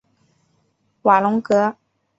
瓦龙格。